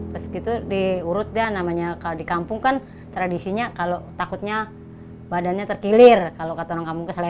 pas gitu diurut deh namanya kalau di kampung kan tradisinya kalau takutnya badannya terkilir kalau kata orang kampung keselengga